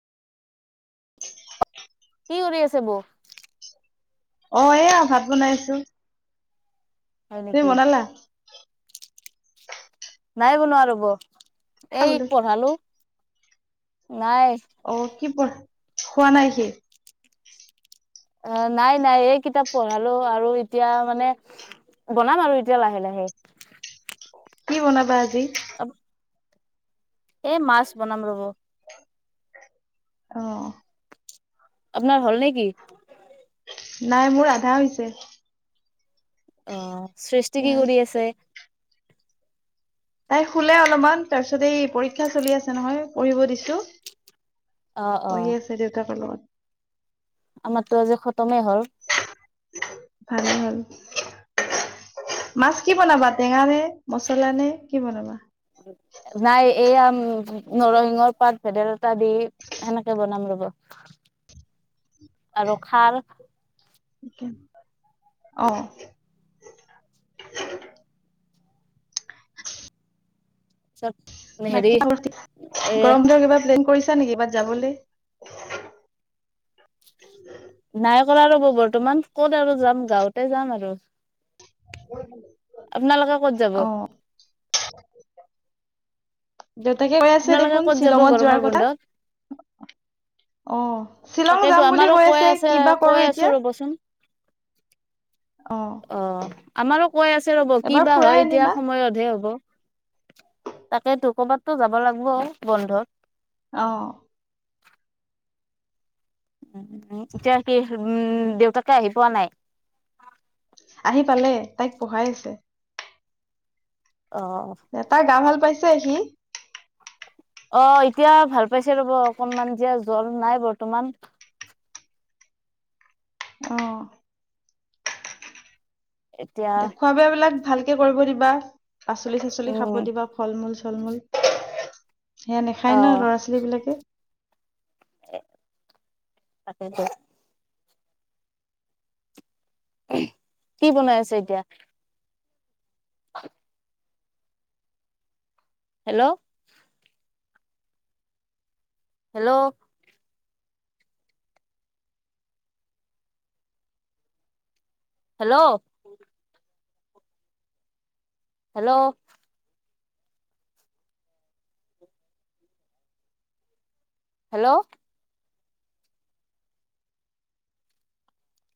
কি কৰি আছে বৌ? অ', এয়া ভাত বনাইছোঁ। হয় তুমি নেকি বনালা? নাই বনোৱা ৰ'ব। বোলো এইক পঢ়ালো। নাই। অ কি, পঢ় শুৱা নাই সি? অ', নাই, নাই এই কিতাপ পঢ়ালো আৰু এতিয়া মানে বনাম আৰু এতিয়া লাহে, লাহে। কি বনাবা আজি? এ, মাছ বনাম ৰ'ব। অ'। আপোনাৰ হ'ল নেকি? নাই, মোৰ আধা হৈছে। অ'। সৃষ্টি কি, কৰি আছে? তাই শুলে অলপমান, তাৰপিছত এই পৰীক্ষা চলি আছে নহয় পঢ়িব দিছোঁ। অ অ পঢ়ি আছে দেউতাকৰ লগত। আমাৰতো আজি খতমেই হ'ল। ভালেই হল। মাছ কি বনাবা? টেঙা নে মছলা নে, কি বনাবা? উ, নৰসিংহৰ পাত, ভেদাইলতা দি সেনেকে বনাম ৰব' আৰু খাৰ অ'। [unintelligible] হেৰি বাকি এ [unintelligible] গৰম দিনৰ কিবা প্লেন কৰিছা নেকি বাত যাবলে? [inaudible] নাই কৰা ৰ'ব বৰ্তমান। ক'ত আৰু যাম গাঁৱতে যাম আৰু [unintelligible] আপোনালোকে ক'ত যাব? অ দেউতাকে কৈ আছে আপোনালোকে দেখোন ক'ত যাব শ্বিলঙত গৰমৰ যোৱাৰ কথা। বন্ধত? অ'। শ্বিলং তাকেইেতো যাম বুলি আমাৰো কৈ আছে, কিবা কৰো কৈ এতিয়া আছো ৰবচোন। অ অ', আমাৰো কৈ আছে ৰ'ব, কি এবাৰ বা ফুৰাই হয় এতিয়া আনিবা সময়তহে হ'ব। তাকেইেতো, কৰ'বাতটো যাব লাগব বন্ধত। অ'। [unintelligible] ইতিয়া কি উম, দেউতাকে আহি পোৱা নাই। আহি পালে, তাইক পঢ়াই আছে। অ' তাই গা ভাল পাইছ [unintelligible] অ', এতিয়া ভাল পাইছে ৰ'ব অকনমান, এতিয়া জ্বৰ নাই বৰ্তমান। অ'। এতিয়া দেখুৱাবা বিলাক ভাল কৰিব দিবা। পাচলি চাচলি উম খাব দিবা, ফল মূল চলমূল। সেয়া নাখায় ন অ' ল'ৰা ছোৱালী বিলাকে। তাকেইটো। কি বনাই আছে এতিয়া? [inaudible] Hello? Hello? Hello? Hello? Hello?